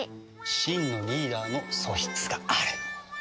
真のリーダーの素質がある。